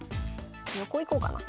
横行こうかな。